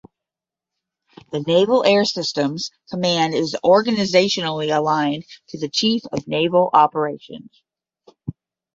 The Naval Air Systems Command is organizationally aligned to the Chief of Naval Operations.